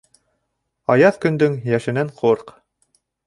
Аяҙ көндөң йәшененән ҡурҡ.